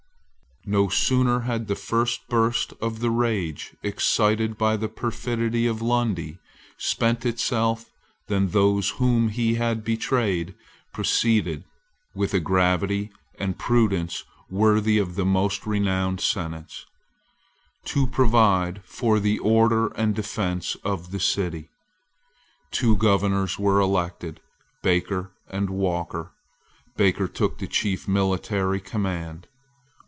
No sooner had the first burst of the rage excited by the perfidy of Lundy spent itself than those whom he had betrayed proceeded, with a gravity and prudence worthy of the most renowned senates, to provide for the order and defence of the city. Two governors were elected, Baker and Walker. Baker took the chief military command.